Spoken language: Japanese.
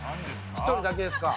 １人だけです。